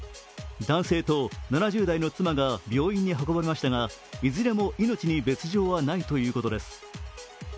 男性と７０代の妻が病院に運ばれましたがいずれも命に別状はないということです。